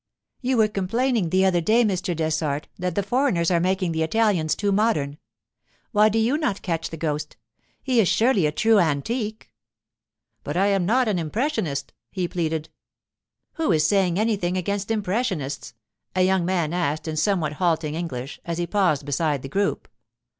'You were complaining the other day, Mr. Dessart, that the foreigners are making the Italians too modern. Why do you not catch the ghost? He is surely a true antique.' 'But I am not an impressionist,' he pleaded. 'Who is saying anything against impressionists?' a young man asked in somewhat halting English as he paused beside the group.